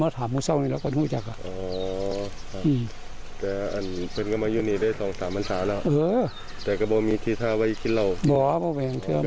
บ่อพบแห่งเทือนมุมอยู่เหนือพบแห่งแทบ